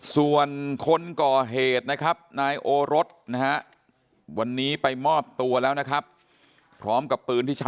ส่วนคนก่อเหตุนะครับนายโอรสวันนี้ไปมอบตัวแล้วนะครับ